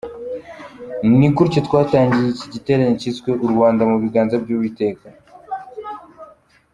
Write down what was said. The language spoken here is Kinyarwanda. Ni gutyo twatangiye iki giterane cyiswe “U Rwanda mu Biganza by’Uwiteka”.